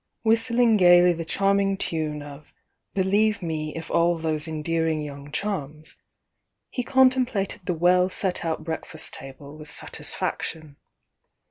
Whistling gaily the charming tune of "Believe me if all those endearing young charms," he contem plated the well set out breakfast table with satis faction.